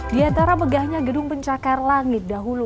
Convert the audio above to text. di antara megahnya gedung pencakar langit dahulu